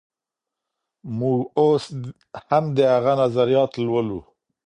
موږ اوس هم د هغه نظريات لولو.